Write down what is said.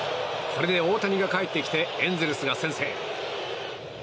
これで大谷がかえってきてエンゼルスが先制。